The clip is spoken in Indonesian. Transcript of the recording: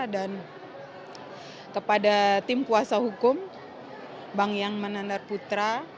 dan kepada tim kuasa hukum bang yang menandar putra